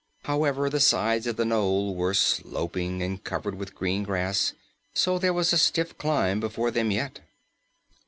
However, the sides of the knoll were sloping and covered with green grass, so there was a stiff climb before them yet.